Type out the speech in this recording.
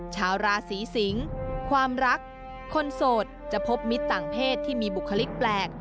ชาวราศีสิงความรักคนโสดจะพบมิตรต่างเพศที่มีบุคลิกแปลก